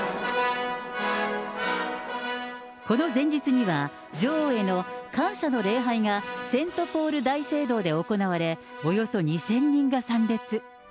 この前日には、女王への感謝の礼拝がセントポール大聖堂で行われ、およそ２０００人が参列。